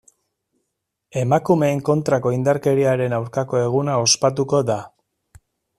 Emakumeen kontrako indarkeriaren aurkako eguna ospatuko da.